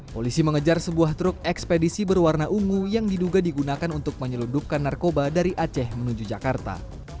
polisi mengejar sebuah truk ekspedisi berwarna ungu yang diduga digunakan untuk menyelundupkan narkoba dari aceh menuju jakarta